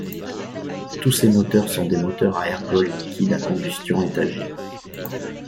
Tous ces moteurs sont des moteurs à ergols liquides à combustion étagée.